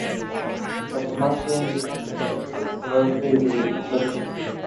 She played junior cricket for three years at national level.